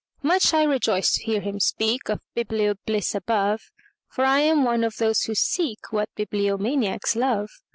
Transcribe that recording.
Much I rejoiced to hear him speakOf biblio bliss above, For I am one of those who seekWhat bibliomaniacs love.